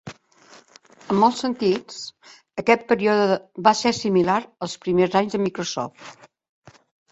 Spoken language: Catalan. En molts sentits, aquest període va ser similar als primers anys de Microsoft.